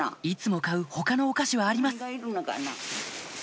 いつも買う他のお菓子はあります